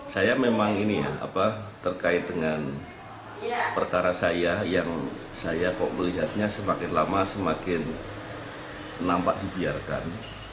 saya memang ini ya apa terkait dengan perkara saya yang saya kok melihatnya semakin lama semakin nampak dibiarkan